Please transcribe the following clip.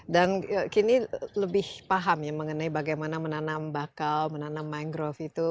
dan kini lebih paham ya mengenai bagaimana menanam bakau menanam mangrove itu